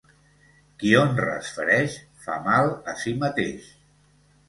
Qui honres fereix, fa mal a si mateix.